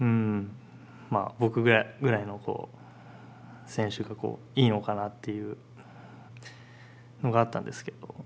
僕ぐらいの選手がいいのかなっていうのがあったんですけど。